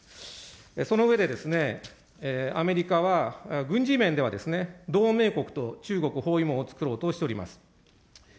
その上で、アメリカは軍事面では、同盟国と中国包囲網を作ろうとしています。